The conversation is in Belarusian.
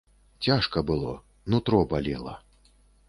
Цяжка было, нутро балела.